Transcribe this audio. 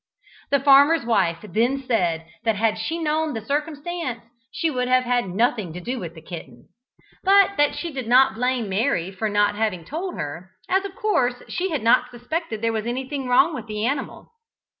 The farmer's wife then said that, had she known the circumstances, she would have had nothing to do with the kitten; but that she did not blame Mary for not having told her, as of course she had not suspected that there was anything wrong with the animal.